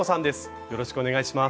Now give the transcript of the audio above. よろしくお願いします。